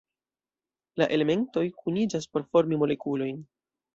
La elementoj kuniĝas por formi molekulojn.